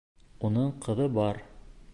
Уның ҡыҙы бар.